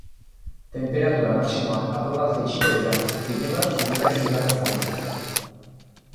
Tenperatura maximoak apur bat jaitsiko dira, gehienbat egunaren bigarren zatian.